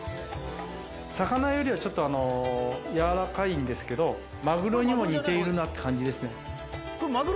魚よりはちょっと柔らかいんですけど、マグロにも似ているなって感じですね。